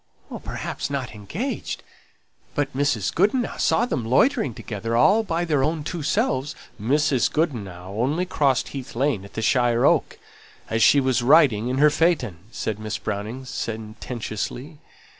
"Perhaps not engaged; but Mrs. Goodenough saw them loitering together, all by their own two selves " "Mrs. Goodenough only crossed Heath Lane at the Shire Oak, as she was riding in her phaeton," said Miss Browning sententiously.